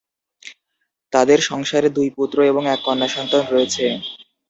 তাদের সংসারে দুই পুত্র এবং এক কন্যা সন্তান রয়েছে।